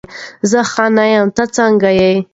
زه ښه نه یمه، ته څنګه یې؟